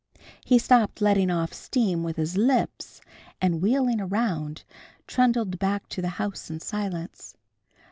He stopped letting off steam with his lips, and wheeling around, trundled back to the house in silence.